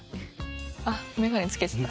あっ眼鏡つけてた。